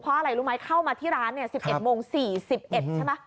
เพราะอะไรรู้ไหมเข้ามาที่ร้าน๑๑โมง๔๑ใช่ไหม